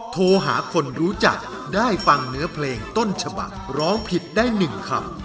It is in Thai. โทรหาคนรู้จักได้ฟังเนื้อเพลงต้นฉบักร้องผิดได้๑คำ